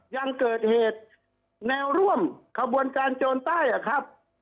ยังเกิดเหตุแนวร่วมขบวนการโจรใต้อะครับ